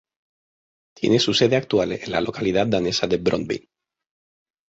Tiene su sede actual en la localidad danesa de Brøndby.